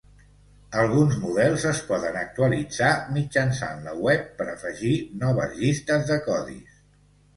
Alguns models es poden actualitzar mitjançant la web per afegir noves llistes de codis.